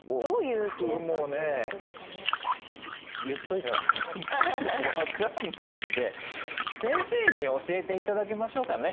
僕もね言っといて何なんですけど分かんないんで先生に教えていただきましょうかね。